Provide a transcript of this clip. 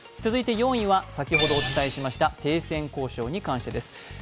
続いて４位は先ほどお伝えしました停戦交渉に関してです。